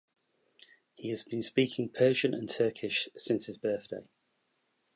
He has been speaking Persian and Turkish since his birthday.